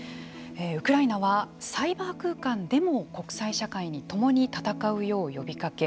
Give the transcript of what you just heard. ウクライナは、サイバー空間でも国際社会に共に戦うよう呼びかけ